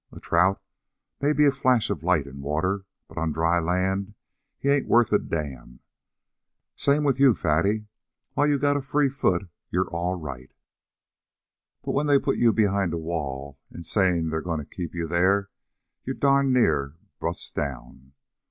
A trout may be a flash of light in water, but on dry land he ain't worth a damn. Same way with you, Fatty. While you got a free foot you're all right, but when they put you behind a wall and say they're going to keep you there, you darned near bust down.